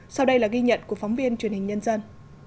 sau đây là ghi nhận của phóng viên truyền hình nhân dân